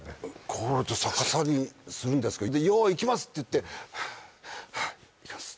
こうやって逆さにするんですけどで「用意いきます」って言って「はあはあ」「いきます」